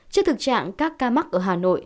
trước thực trạng các ca mắc ở hà nội